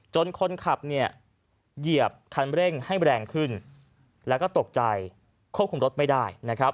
จนคนขับเยี่ยบคันเร่งให้แรงขึ้นแล้วก็ตกใจควบคุมรถไม่ได้